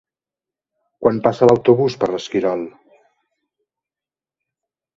Quan passa l'autobús per l'Esquirol?